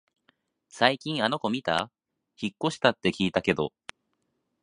最近あの子みた？引っ越したって聞いたけど